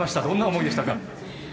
どんな思いでしたか？